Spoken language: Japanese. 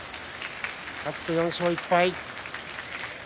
勝って４勝１敗。